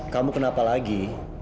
kamu kenapa lagi